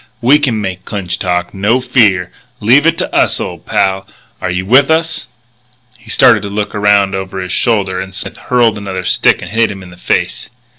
We can make Clinch talk, no fear! Leave it to us, old pal. Are you with us?" He started to look around over his shoulder and Smith hurled another stick and hit him in the face.